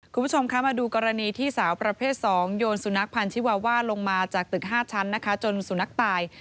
คุณผู้ชมคะมาดูกรณีที่สาวประเภท๒โยนสุนัขพันธิวาว่าลงมาจากตึก๕ชั้นนะคะจนสุนัขตาย